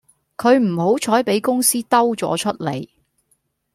佢唔好彩比公司兜咗出嚟